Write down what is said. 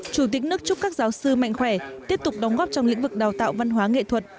chủ tịch nước chúc các giáo sư mạnh khỏe tiếp tục đóng góp trong lĩnh vực đào tạo văn hóa nghệ thuật